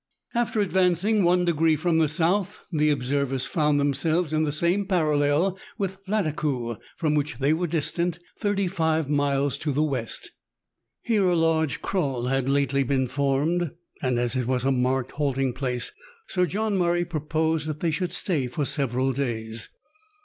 THREE ENGLISHMEN AND THREE RUSSIANS. 77 After advancing 1° from the south, the observers found themselves in the same parallel with Lattakoo, from which they were distant 35 miles to the west. Here a large kraal had lately been formed, and as it was a marked halting place, Sir John Murray proposed that they should stay for several days.